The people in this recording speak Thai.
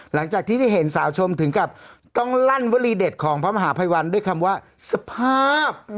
หลังจากที่ได้เห็นสาวชมถึงกับต้องลั่นวลีเด็ดของพระมหาภัยวันด้วยคำว่าสภาพ